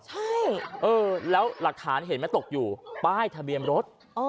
ใช่แล้วหลักฐานเห็นไหมตกอยู่ป้ายทะเบียนรถ